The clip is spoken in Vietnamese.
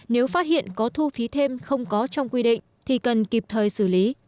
nếu phát hiện có thu phí thêm không có trong quy định thì cần kịp thời xử lý